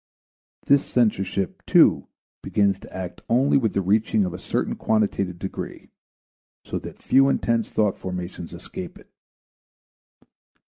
This censorship, too, begins to act only with the reaching of a certain quantitative degree, so that few intense thought formations escape it.